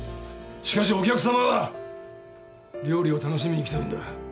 しかしお客さまは料理を楽しみに来てるんだ